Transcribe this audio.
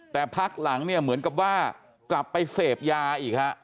แต่พักหลังเนี่ยเหมือนกับว่ากลับไปเสพยาอีกฮะ